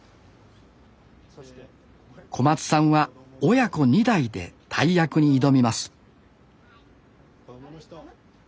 小松さんは親子２代で大役に挑みます